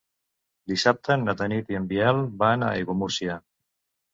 Dissabte na Tanit i en Biel van a Aiguamúrcia.